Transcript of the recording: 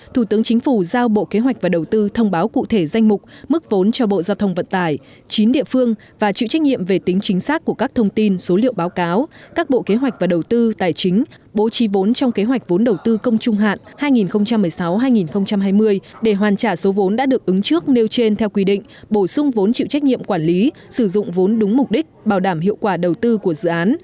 thủ tướng chính phủ giao bộ kế hoạch và đầu tư thông báo cụ thể danh mục mức vốn cho bộ giao thông vận tải chín địa phương và chịu trách nhiệm về tính chính xác của các thông tin số liệu báo cáo các bộ kế hoạch và đầu tư tài chính bố trí vốn trong kế hoạch vốn đầu tư công trung hạn hai nghìn một mươi sáu hai nghìn hai mươi để hoàn trả số vốn đã được ứng trước nêu trên theo quy định bổ sung vốn chịu trách nhiệm quản lý sử dụng vốn đúng mục đích bảo đảm hiệu quả đầu tư của dự án